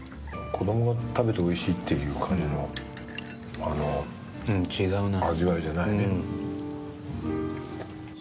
子どもが食べておいしいっていう感じの味わいじゃないね。